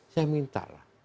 saya minta lah